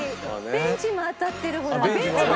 ベンチも当たってる。